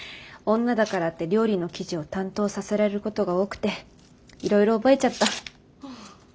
女だからって料理の記事を担当させられることが多くていろいろ覚えちゃった。